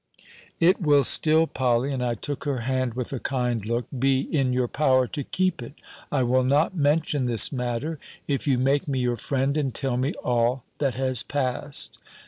"It will still, Polly" (and I took her hand, with a kind look), "be in your power to keep it: I will not mention this matter, if you make me your friend, and tell me all that has passed."